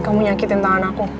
kamu nyakitin tangan aku